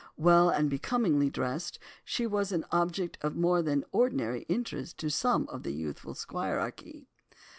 Well and becomingly dressed, she was an object of more than ordinary interest to some of the youthful squirearchy.